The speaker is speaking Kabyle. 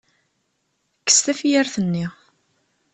Kkes tafyirt-nni.